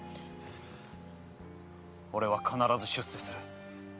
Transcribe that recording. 俺は必ず出世する。